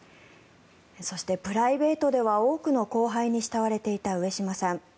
そしてプライベートでは多くの後輩に慕われていた上島さん。